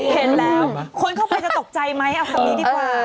เข้าไปจะตกใจไหมเป็นความนี้ดีกว่า